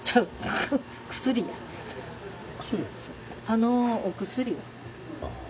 「あのお薬は？」。